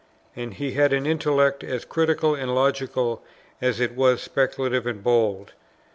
And he had an intellect as critical and logical as it was speculative and bold.